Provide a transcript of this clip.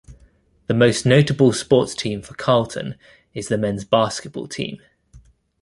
The most notable sports team for Carleton is the men's basketball team.